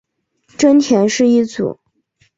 真田氏一族。